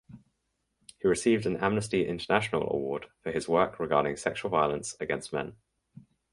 He received an Amnesty International award for his work regarding sexual violence against men.